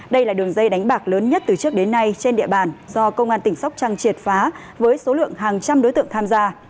đây là đường dây đánh bạc lớn nhất từ trước đến nay trên địa bàn do công an tỉnh sóc trăng triệt phá với số lượng hàng trăm đối tượng tham gia